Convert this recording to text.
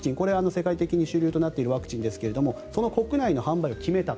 世界的に主流となっているワクチンですがその国内での販売を決めた。